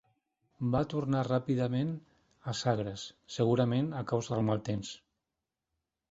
Va tornar ràpidament a Sagres, segurament a causa del mal temps.